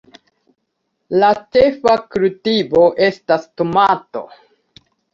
La ĉefa kultivo estas tomato.